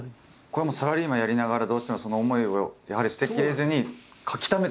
これはサラリーマンやりながらどうしてもその思いをやはり捨てきれずに書きためてたんですか？